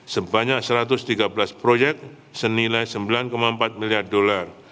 sebanyak satu ratus tiga belas proyek senilai sembilan empat miliar dolar